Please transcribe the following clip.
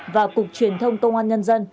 và cục truyền thông công an nhân dân